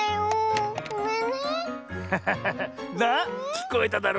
きこえただろ。